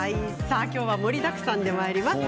きょうは盛りだくさんでまいります。